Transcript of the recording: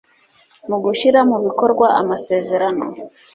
mu gushyira mu bikorwa amasezerano